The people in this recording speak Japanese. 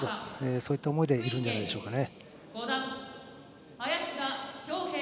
そういった思いでいるんじゃないですかね。